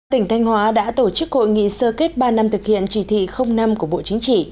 tỉnh thanh hóa đã tổ chức hội nghị sơ kết ba năm thực hiện chỉ thị năm của bộ chính trị